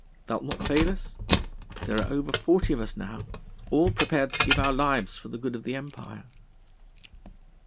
Thou'lt not fail us? There are over forty of us now, all prepared to give our lives for the good of the Empire."